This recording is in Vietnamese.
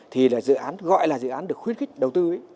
thì là dự án gọi là dự án được khuyến khích đầu tư